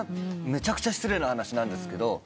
めちゃくちゃ失礼な話なんですが。